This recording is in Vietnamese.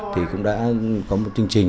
thì cũng đã có một chương trình